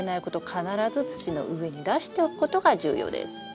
必ず土の上に出しておくことが重要です。